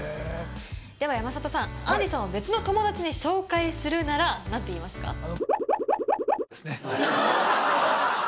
では山里さん杏里さんを別の友達に紹介するなら何て言いますか？